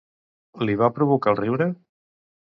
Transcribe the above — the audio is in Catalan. Li va provocar el riure?